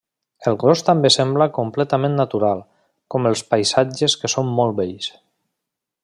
El gos també sembla completament natural, com els paisatges que són molt bells.